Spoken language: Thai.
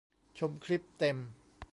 ชมคลิปเต็ม